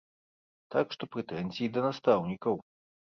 Так што прэтэнзіі да настаўнікаў.